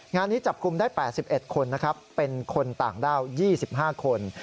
งานนี้จับกลุ่มได้๘๑คนนะครับเป็นคนต่างด้าว๒๕คน